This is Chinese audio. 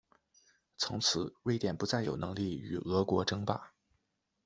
从此瑞典不再有能力与俄国争霸。